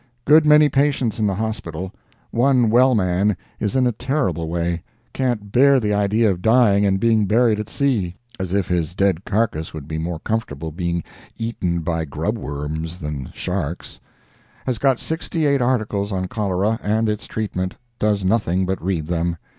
Good many patients in the hospital. One well man is in a terrible way—can't bear the idea of dying and being buried at sea—as if his dead carcass would be more comfortable being eaten by grub worms than sharks. Has got sixty eight articles on cholera and its treatment—does nothing but read them.